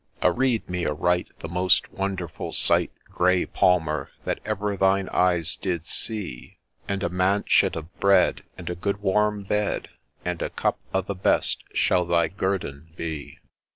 a 162 A LAY OF ST. NICHOLAS, ' Arede me aright the most wonderful sight, Grey Palmer, that ever thine eyes did see, And a manchette of bread, and a good warm bed, And a cup o' the best shall thy guerdon be